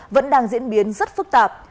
vẫn đang diễn biến rất phức tạp